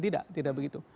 tidak tidak begitu